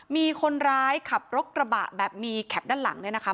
มีคนร้ายขับรถกระบะแบบมีแคปด้านหลังเนี่ยนะคะ